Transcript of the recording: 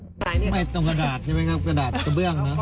ไม่ตรงกระดาษใช่ไหมครับกระดาษกระเบื้องเนอะ